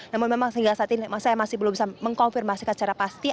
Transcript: namun memang sehingga saat ini saya masih belum bisa mengkonfirmasikan secara pasti